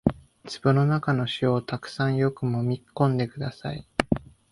壺の中の塩をたくさんよくもみ込んでください